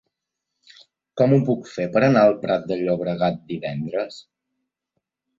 Com ho puc fer per anar al Prat de Llobregat divendres?